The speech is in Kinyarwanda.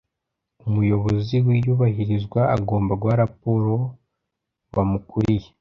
Umuyobozi w’ iyubahirizwa agomba guha raporo bamukuriye